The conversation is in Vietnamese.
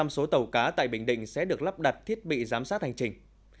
một trăm linh số tàu cá tại bình định sẽ được lắp đặt thiết bị giám sát hành trình